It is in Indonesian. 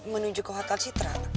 menuju ke hotel citra